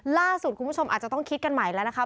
ล่าสุดคุณผู้ชมอาจจะต้องคิดกันใหม่แล้วนะคะ